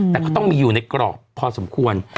แต่ก็ต้องมีอยู่ในกรอบพอสมควร